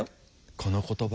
この言葉。